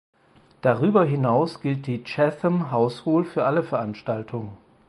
Darüber hinaus gilt die Chatham House Rule für alle Veranstaltungen.